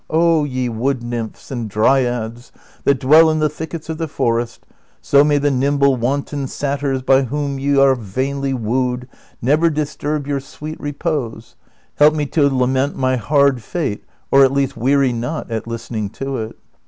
Oh, ye wood nymphs and dryads, that dwell in the thickets of the forest, so may the nimble wanton satyrs by whom ye are vainly wooed never disturb your sweet re}»ose, help me to lament my hard fate or at least weary not at listening to it